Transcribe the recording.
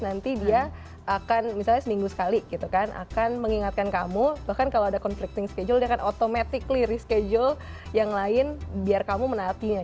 nanti dia akan misalnya seminggu sekali gitu kan akan mengingatkan kamu bahkan kalau ada conflicting schedule dia akan automatically reschedule yang lain biar kamu menaatinya